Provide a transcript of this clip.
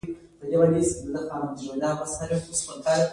له دې لارې يې ميليونونه ډالر وګټل.